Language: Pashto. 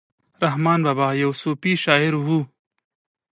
رحمان بابا يو صوفي شاعر وو.